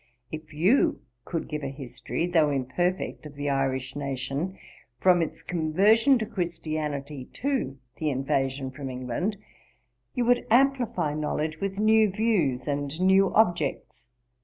If you could give a history, though imperfect, of the Irish nation, from its conversion to Christianity to the invasion from England, you would amplify knowledge with new views and new objects.